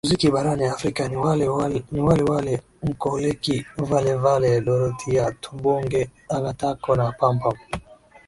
muziki Barani Afrika ni Wale Wale Nkoleki Vale Vale Dorotia Tubonge Agatako na PamPam